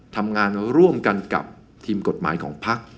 ทำงานร่วมกันกับทีมกฎหมายของภักดิ์